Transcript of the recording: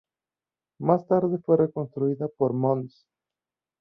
Más tarde fue reconstruida por Mons.